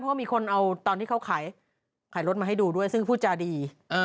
เพราะมีคนเอาตอนที่เขาขายรถมาให้ดูด้วยซึ่งพูดจาดี